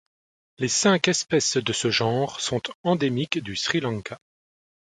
Les cinq espèces de ce genre sont endémiques du Sri Lanka.